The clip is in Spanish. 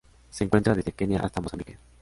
Se encuentra desde Kenia hasta Mozambique.